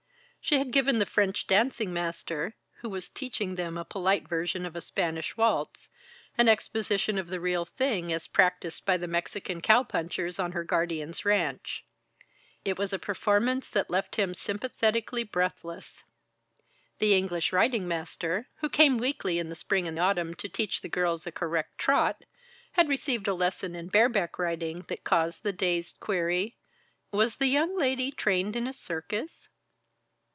She had given the French dancing master, who was teaching them a polite version of a Spanish waltz, an exposition of the real thing, as practised by the Mexican cow punchers on her guardian's ranch. It was a performance that left him sympathetically breathless. The English riding master, who came weekly in the spring and autumn, to teach the girls a correct trot, had received a lesson in bareback riding that caused the dazed query: "Was the young lady trained in a circus?"